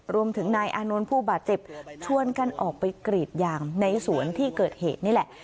รวมถึงนายอานนท์ผู้บาดเจ็บชวนกันออกไปกรีดยางในสวนที่เกิดเหตุนี่แหละ